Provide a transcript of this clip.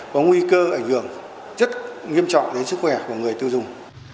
có nguy cơ ảnh hưởng rất nghiêm trọng đến sức khỏe của người tiêu dùng